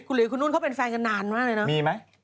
หลีคุณนุ่นเขาเป็นแฟนกันนานมากเลยนะมีไหม